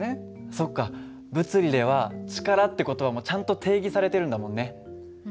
そっか物理では力って言葉もちゃんと定義されてるんだもんね。